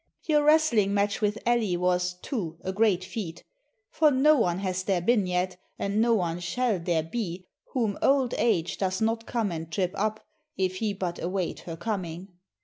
Your wrestling match with Elli was, too, a great feat, for no one has there been yet, and no one shall there be whom old age does not come and trip up, if he but await her coming.